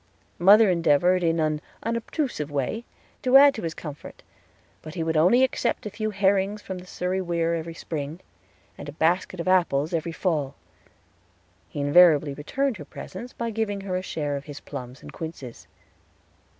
Mother endeavored in an unobtrusive way to add to his comfort; but he would only accept a few herrings from the Surrey Weir every spring, and a basket of apples every fall. He invariably returned her presents by giving her a share of his plums and quinces.